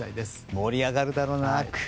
盛り上がるだろうな。